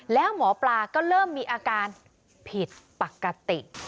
แล้วหมอปลาก็เริ่มมีอาการผิดปกติ